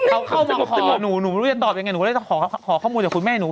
เขาเข้ามาคุยกับหนูหนูไม่รู้จะตอบยังไงหนูก็เลยต้องขอข้อมูลจากคุณแม่หนู